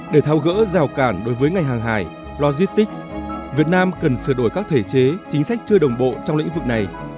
để thao gỡ rào cản đối với ngành hàng hải logistics việt nam cần sửa đổi các thể chế chính sách chưa đồng bộ trong lĩnh vực này